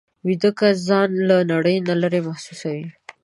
ویده کس ځان له نړۍ نه لېرې محسوسوي